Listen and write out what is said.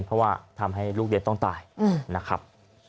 เพราะว่าทำให้ลูกเรียนต้องตายนะครับ